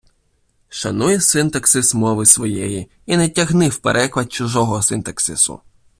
Шануй синтаксис мови своєї і не тягни в переклад чужого синтаксису.